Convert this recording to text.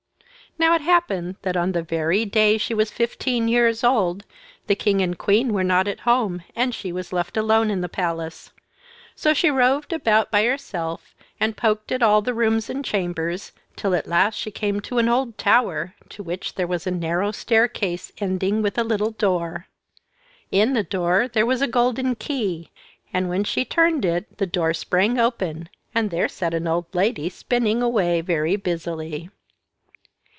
Now it happened that on the very day she was fifteen years old the king and queen were not at home, and she was left alone in the palace. So she roved about by herself, and poked at all the rooms and chambers, till at last she came to an old tower, to which there was a narrow staircase ending with a little door. In the door there was a golden key, and when she turned it the door sprang open, and there sat an old lady spinning away very busily.